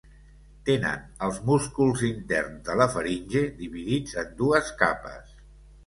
Tenen els músculs interns de la faringe dividits en dues capes.